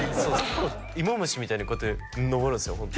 イモムシみたいにこうやって登るんですよ。